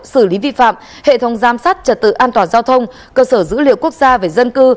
xử lý vi phạm hệ thống giám sát trật tự an toàn giao thông cơ sở dữ liệu quốc gia về dân cư